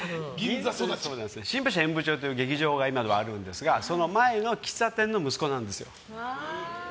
新橋演舞場という劇場が今あるんですがその前の喫茶店の息子なんですよ。